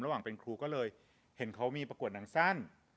ระหว่างเป็นครูก็เลยเห็นเขามีประกวดหนังสั้น